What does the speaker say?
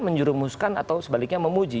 menjurumuskan atau sebaliknya memuji